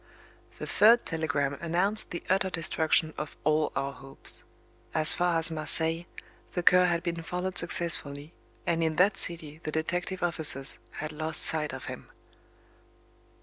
The third telegram announced the utter destruction of all our hopes. As far as Marseilles, the Cur had been followed successfully, and in that city the detective officers had lost sight of him.